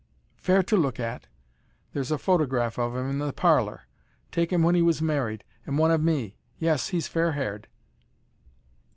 "Fair to look at. There's a photograph of him in the parlour taken when he was married and one of me. Yes, he's fairhaired."